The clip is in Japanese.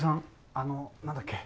あのなんだっけ？